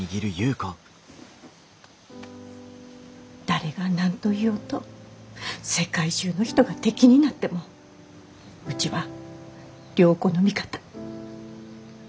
誰が何と言おうと世界中の人が敵になってもうちは良子の味方。